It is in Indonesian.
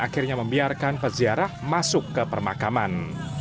akhirnya membiarkan peziarah masuk ke permakaman